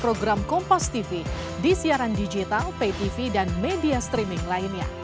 program kompos tv di siaran digital pay tv dan media streaming lainnya